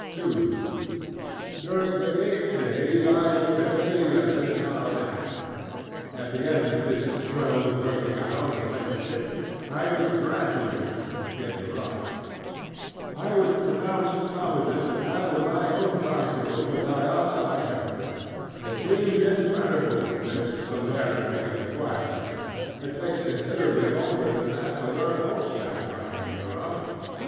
II During the eight days I took a daily lesson of an hour and a half. At the end of this twelve working hoursŌĆÖ apprenticeship I was graduatedŌĆöin the rough. I was pronounced competent to paddle my own bicycle without outside help. It seems incredible, this celerity of acquirement. It takes considerably longer than that to learn horseback riding in the rough.